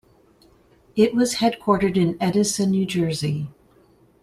It was headquartered in Edison, New Jersey.